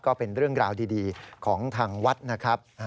ก็เป็นเรื่องราวดีของทางวัดนะครับ